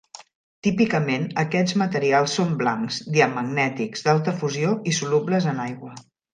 Típicament aquests materials són blancs, diamagnètics, d'alta fusió i solubles en aigua.